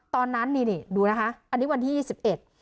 ตอนนั้นนี่นี่ดูนะคะอันนี้วันที่ยี่สิบเอ็ด